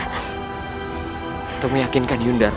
untuk meyakinkan yundar